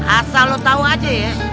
asal lo tau aja ya